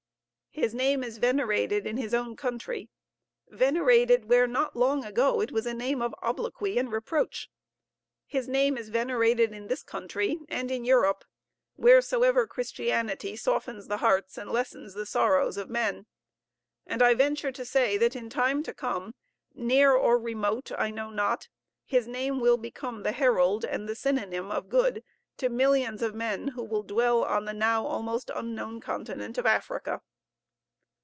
His name is venerated in his own country, venerated where not long ago it was a name of obloquy and reproach. His name is venerated in this country and in Europe wheresoever Christianity softens the hearts and lessens the sorrows of men; and I venture to say that in time to come, near or remote I know not, his name will become the herald and the synonym of good to millions of men who will dwell on the now almost unknown continent of Africa.